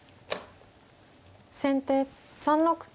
先手３六金。